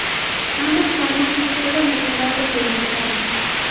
Ambos fármacos fueron retirados del mercado.